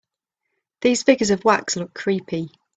These figures of wax look creepy.